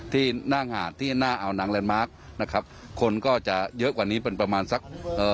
ที่หน้างานที่หน้าอาวนางแลนดมาร์คนะครับคนก็จะเยอะกว่านี้เป็นประมาณสักเอ่อ